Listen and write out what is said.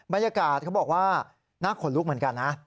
บรรยากาศเขาบอกว่าน่าขนลุกเหมือนกันนะ